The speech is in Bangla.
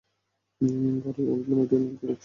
গ্যারি ওল্ডম্যান এবং ড্যানিয়েল ক্রেইগ পরস্পরের বন্ধু।